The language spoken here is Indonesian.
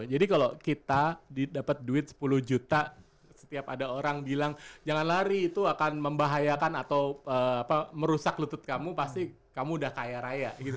jadi kalo kita dapet duit sepuluh juta setiap ada orang bilang jangan lari itu akan membahayakan atau merusak lutut kamu pasti kamu udah kaya raya gitu